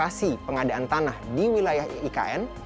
yang kedua memiliki lokasi pengadaan tanah di wilayah ikn